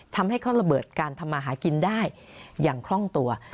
ทำให้เขาระเบิดการทำมาหากินได้อย่างคล่องตัว